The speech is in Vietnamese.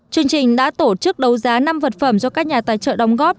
chương trình đã tổ chức đấu giá năm vật phẩm do các nhà tài trợ đóng góp